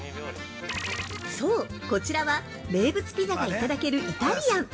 ◆そう、こちらは名物ピザがいただけるイタリアン。